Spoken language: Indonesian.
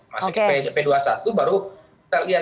masuk ke p dua puluh satu baru kita lihat